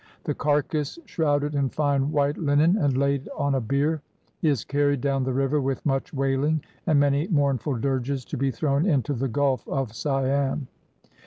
The carcass, shrouded in fine white linen and laid on a bier, is carried down the river with much wailing and many mournful dirges, to be thrown into the Gulf of Siam.